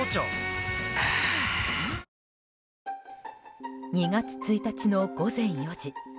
あぁ２月１日の午前４時。